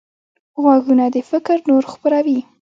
غوږونه د فکر نور خپروي